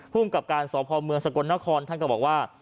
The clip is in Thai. ผู้อุ้มกับการสอบพอมเมืองสะกดนครท่านก็บอกว่า